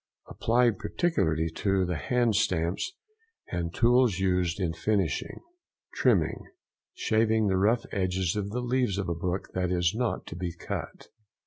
—Applied particularly to the hand stamps and tools used in finishing. TRIMMING.—Shaving the rough edge of the leaves of a book that is not to be cut.